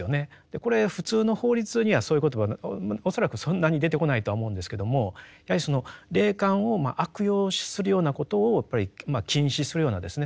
これ普通の法律にはそういう言葉恐らくそんなに出てこないとは思うんですけどもやはりその霊感を悪用するようなことをやっぱり禁止するようなですね